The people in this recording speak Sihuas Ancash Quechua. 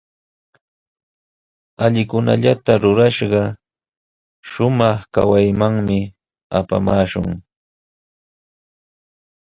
Allikunallata rurashqa, shumaq kawaymanmi apamaashun.